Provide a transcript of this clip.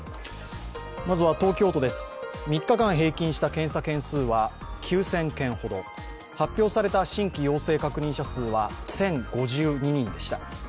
まずは東京都です、３日間平均した検査件数は９０００件ほど発表された新規陽性確認者数は１０５２人でした。